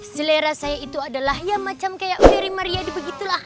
selera saya itu adalah ya macam kayak ferry mariadi begitulah